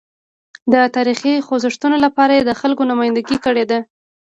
د تاریخي خوځښتونو لپاره یې د خلکو نمایندګي کړې ده.